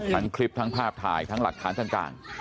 ทั้งคลิปทั้งภาพถ่ายทั้งหลักฐานต่าง